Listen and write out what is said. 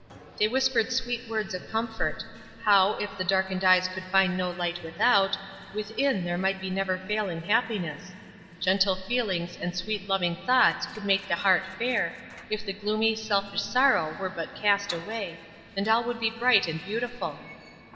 They whispered sweet words of comfort,—how, if the darkened eyes could find no light without, within there might be never failing happiness; gentle feelings and sweet, loving thoughts could make the heart fair, if the gloomy, selfish sorrow were but cast away, and all would be bright and beautiful.